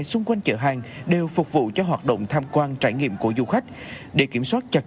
xung quanh chợ hàng đều phục vụ cho hoạt động tham quan trải nghiệm của du khách để kiểm soát chặt